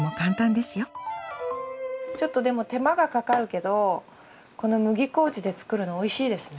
ちょっとでも手間がかかるけどこの麦麹で作るのおいしいですね。